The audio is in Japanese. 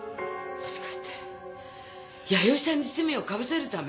もしかして弥生さんに罪を被せるため？